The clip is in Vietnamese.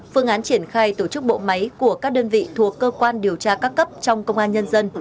phương án triển khai tổ chức bộ máy của các đơn vị thuộc cơ quan điều tra các cấp trong công an nhân dân